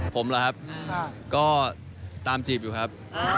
ผมเหรอครับก็ตามจีบอยู่ครับ